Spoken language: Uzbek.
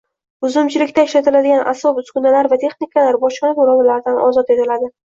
Uzumchilikda ishlatiladigan asbob-uskunalar va texnikalar bojxona to‘lovlaridan ozod etiladi